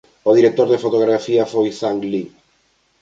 O director de fotografía foi Zhang Li.